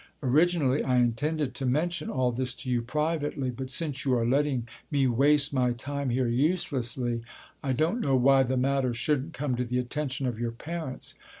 Originally I intended to mention all this to you privately, but since you are letting me waste my time here uselessly, I don't know why the matter shouldn't come to the attention of your parents.